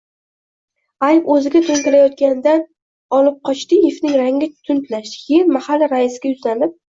Ayb o`ziga to`nkalayotganidan Olibqochdievning rangi tundlashdi keyin mahalla raisiga yuzlanib